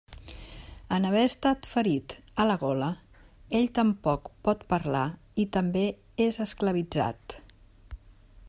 En haver estat ferit a la gola, ell tampoc pot parlar i també és esclavitzat.